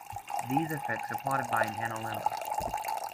These effects are plotted by an analemma.